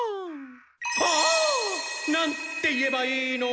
ああなんて言えばいいの？